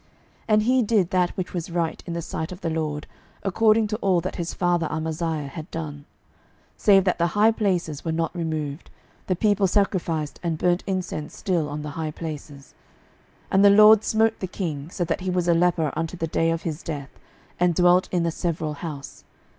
12:015:003 And he did that which was right in the sight of the LORD, according to all that his father Amaziah had done; 12:015:004 Save that the high places were not removed: the people sacrificed and burnt incense still on the high places. 12:015:005 And the LORD smote the king, so that he was a leper unto the day of his death, and dwelt in a several house.